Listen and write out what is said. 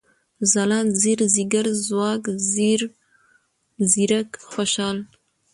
ځلاند ، ځير ، ځيگر ، ځواک ، ځيږ ، ځيرک ، خوشال